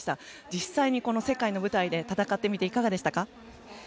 実際に世界の舞台で戦ってみていかがでしたか？